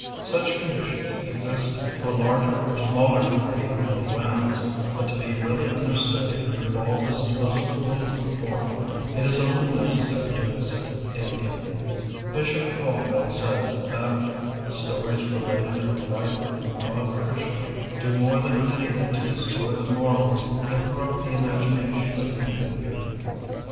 Such conditions exist to a larger or smaller degree in many lands, but to be really understood in their baldest, most revolting form, it is only necessary to visit India. Bishop Caldwell says that "the stories related of the life of the god Krishna do more than anything to destroy the morals and corrupt the imaginations of Hindu youth."